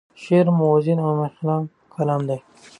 شعر موزون او مخیل کلام دی.